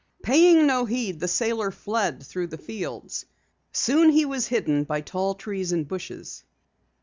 Paying no heed, the sailor fled through the fields. Soon he was hidden by tall trees and bushes.